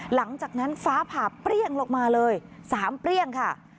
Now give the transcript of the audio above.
หลังจากนั้นฟ้าผ่าเปรี้ยงลงมาเลย๓เปรี้ยงค่ะ